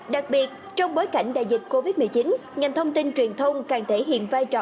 đặc biệt trong bối cảnh đại dịch covid một mươi chín ngành thông tin truyền thông càng thể hiện vai trò